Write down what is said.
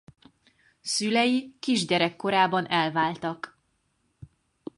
Szülei kisgyerek korában elváltak.